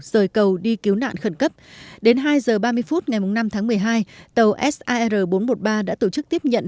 rời cầu đi cứu nạn khẩn cấp đến hai h ba mươi phút ngày năm tháng một mươi hai tàu sir bốn trăm một mươi ba đã tổ chức tiếp nhận